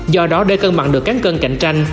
do đó để cân bằng được cán cân cạnh tranh